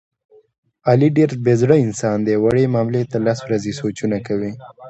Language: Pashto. علي ډېر بې زړه انسان دی، وړې معاملې ته لس ورځې سوچونه کوي.